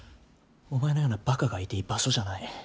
お前のようなばかがいていい場所じゃない。